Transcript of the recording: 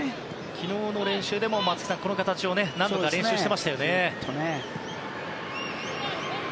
昨日の練習でもこの形を何度か練習していました。